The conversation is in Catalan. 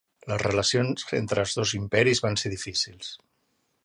Les relacions entre els dos imperis van ser difícils.